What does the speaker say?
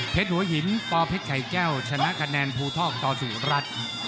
เพชรหัวหินปเพชรไข่แก้วชนะคะแนนภูทอกตสุรรัตน์